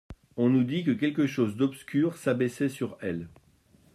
On eût dit que quelque chose d'obscur s'abaissait sur elle.